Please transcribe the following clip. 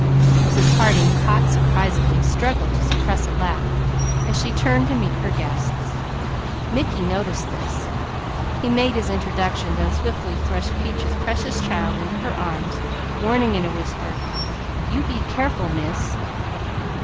Mrs. Harding, caught surprisedly, struggled to suppress a laugh as she turned to meet her guests. Mickey noticed this. He made his introductions, and swiftly thrust Peaches' Precious Child into her arms, warning in a whisper: "_You be careful, Miss!